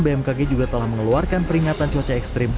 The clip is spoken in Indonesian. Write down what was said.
bmkg juga telah mengeluarkan peringatan cuaca ekstrim